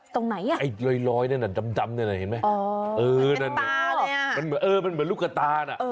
ตรงไหนอะ